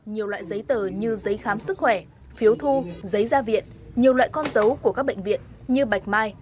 nhiều loại giấy tờ như giấy khám sức khỏe phiếu thu giấy gia viện nhiều loại con dấu của các bệnh viện như bạch mai